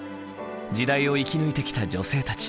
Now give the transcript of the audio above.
時代を生き抜いてきた女性たち。